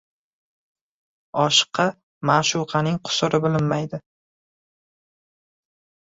Oshiqqa ma’shuqaning qusuri bilinmaydi.